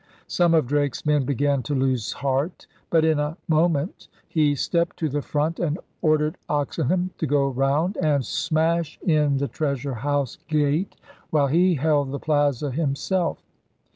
Some of Drake's men began to lose heart. But in a moment he stepped to the front and ordered Oxenham to go round and smash in the Treasure House gate while he held the Plaza himself.